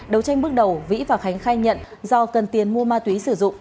đấu tranh bước đầu vĩ và khánh khai nhận do cần tiền mua ma túy sử dụng